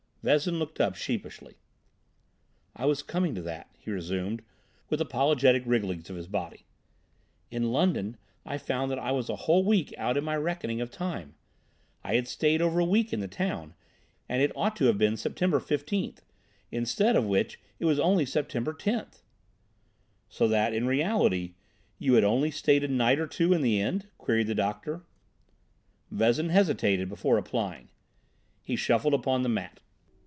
Vezin looked up sheepishly. "I was coming to that," he resumed, with apologetic wrigglings of his body. "In London I found that I was a whole week out in my reckoning of time. I had stayed over a week in the town, and it ought to have been September 15th,—instead of which it was only September 10th!" "So that, in reality, you had only stayed a night or two in the inn?" queried the doctor. Vezin hesitated before replying. He shuffled upon the mat.